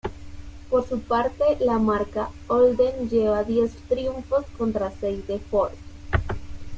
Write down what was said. Por su parte, la marca Holden lleva diez triunfos contra seis de Ford.